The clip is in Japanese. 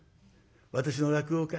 私の落語会